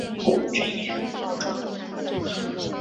郑俨容貌壮丽。